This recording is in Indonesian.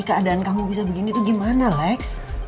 keadaan kamu bisa begini itu gimana lex